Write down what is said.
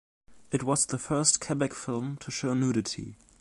It was the first Quebec film to show nudity.